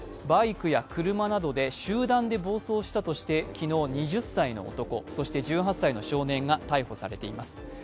バイクや車などで集団で暴走したとして昨日２０歳の男、１８歳の少年が逮捕されています。